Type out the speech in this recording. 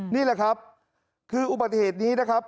นี่แหละครับคืออุบัติเหตุนี้นะครับ